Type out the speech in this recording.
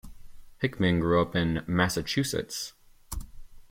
Hickman grew up in Massachusetts.